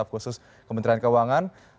khusus kementerian keuangan